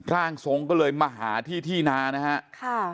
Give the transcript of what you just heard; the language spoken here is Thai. ร่างทรงก็เลยมาหาที่ที่นานะฮะ